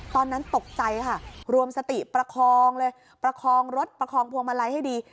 ตอนนั้นตกใจค่ะรวมสติประคองเลยประคองรถประคองพวงมาลัยให้ดี